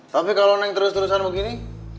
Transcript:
tapi kalau naik terus terusan begini